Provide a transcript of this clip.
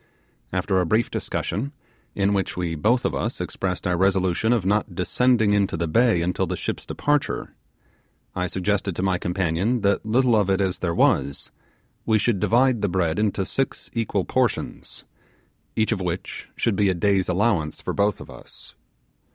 After a brief discussion, in which we both of us expressed our resolution of not descending into the bay until the ship's departure, I suggested to my companion that little of it as there was, we should divide the bread into six equal portions, each of which should be a day's allowance for both of us.